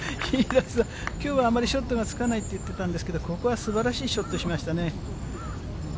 きょうは、あんまりショットがつかないって言ってたんですけど、ここはすばらしいショットしましたね。